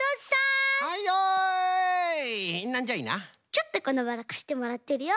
ちょっとこのバラかしてもらってるよ。